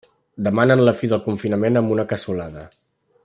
Demanen la fi del confinament amb una cassolada.